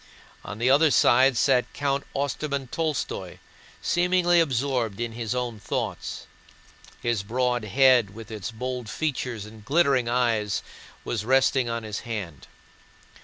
On the other side sat Count Ostermann Tolstóy, seemingly absorbed in his own thoughts. His broad head with its bold features and glittering eyes was resting on his hand.